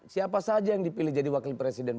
siapa saja yang dipilih jadi wakil presiden